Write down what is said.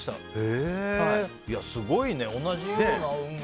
すごいね、同じような運命。